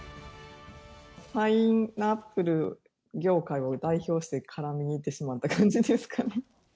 パイナップル業界を代表して絡みにいってしまった感じですかね。